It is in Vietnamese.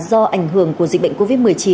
do ảnh hưởng của dịch bệnh covid một mươi chín